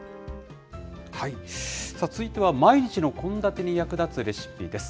さあ、続いては毎日の献立に役立つレシピです。